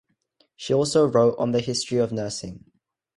She also wrote on the history of nursing.